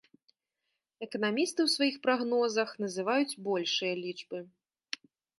Эканамісты ў сваіх прагнозах называюць большыя лічбы.